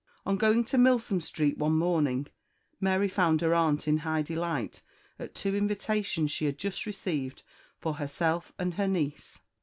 On going to Milsom Street one morning Mary found her aunt in high delight at two invitations she had just received for herself and her niece.